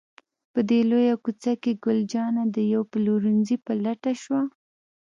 په دې لویه کوڅه کې، ګل جانه د یوه پلورنځي په لټه شوه.